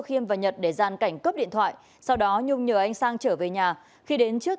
khiêm và nhật để gian cảnh cướp điện thoại sau đó nhung nhờ anh sang trở về nhà khi đến trước